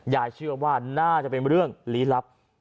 ยายเชื่อว่าน่าจะเป็นเรื่องลี้ลับ